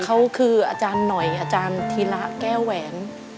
เขาคืออาจารย์หน่อยอาจารย์ธีระแก้วแหวน